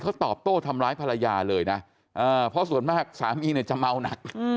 เขาตอบโต้ทำร้ายภรรยาเลยนะเพราะส่วนมากสามีเนี่ยจะเมาหนัก